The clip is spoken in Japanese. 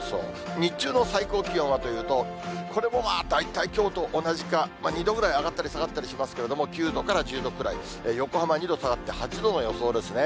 日中の最高気温はというと、これも大体きょうと同じか２度ぐらい上がったり下がったりしますけれども、９度から１０度ぐらい、横浜２度下がって８度の予想ですね。